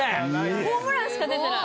ホームランしか出てない。